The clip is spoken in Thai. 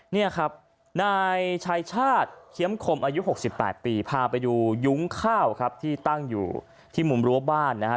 นี่ครับนายชายชาติเคี้ยมคมอายุ๖๘ปีพาไปดูยุ้งข้าวครับที่ตั้งอยู่ที่มุมรั้วบ้านนะฮะ